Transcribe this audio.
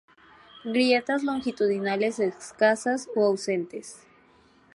Grietas longitudinales escasas o ausentes.